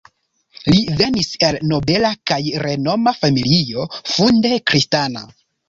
Li venis el nobela kaj renoma familio funde kristana.